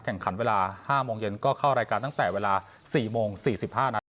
แข่งขันเวลาห้าโมงเย็นก็เข้ารายการตั้งแต่เวลาสี่โมงสี่สิบห้านะครับ